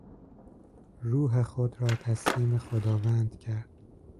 روح خود را تسلیم خداوند کرد.